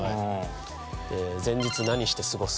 えー前日何して過ごす？